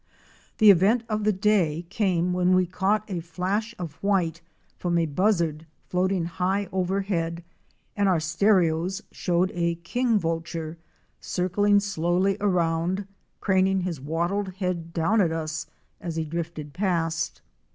The event of the day came when we caught a flash of white from a Buzzard floating high overhead and our stereos showed a King Vulture' circling slowly around, craning his wattled head down at us as he drifted past.